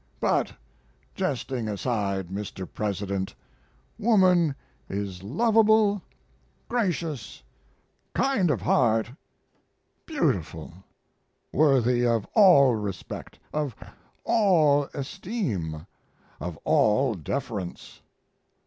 ] But, jesting aside, Mr. President, woman is lovable, gracious, kind of heart, beautiful; worthy of all respect, of all esteem, of all deference.